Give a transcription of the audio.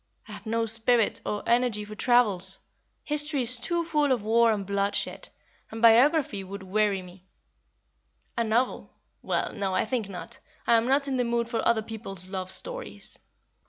I have no spirit or energy for travels, history is too full of war and bloodshed, and biography would weary me; a novel well, no I think not; I am not in the mood for other people's love stories.